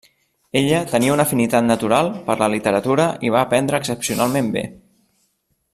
Ella tenia una afinitat natural per la literatura i va aprendre excepcionalment bé.